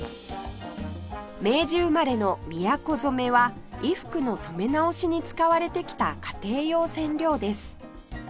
明治生まれのみやこ染は衣服の染め直しに使われてきた家庭用染料です